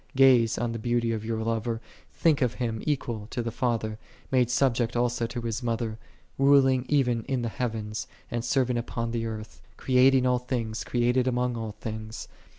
Ga/.e on the Beauty of your Lover: think of Him equal to the Father, made sub ject also to His Mother: ruling even in the heavens, and serving upon the earth: creating all things, created among all things.